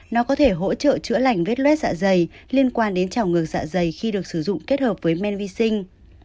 nó có thể hỗ trợ chữa lành vết luet dạ dày liên quan đến chảo ngược dạ dày khi được sử dụng kết hợp với men vi sinh